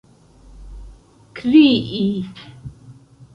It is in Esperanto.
krii